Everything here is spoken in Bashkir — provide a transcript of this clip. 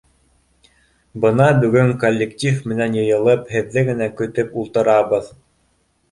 — Бына бөгөн коллектив менән йыйылып, һеҙҙе генә көтөп ултырабыҙ.